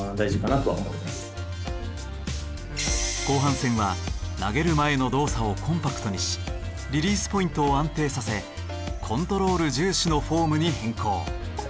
後半戦は投げる前の動作をコンパクトにしリリースポイントを安定させコントロール重視のフォームに変更。